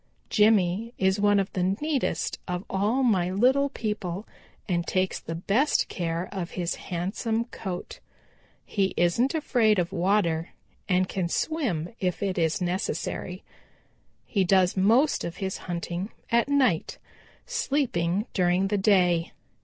Jimmy is one of the neatest of all my little people and takes the best of care of his handsome coat. He isn't afraid of water and can swim if it is necessary. He does most of his hunting at night, sleeping during the day.